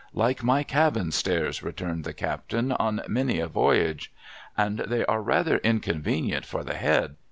' Like my ral)iii stairs,' returned the captain, ' on many a voyage.' ' And they are rather inconvenient for the head.'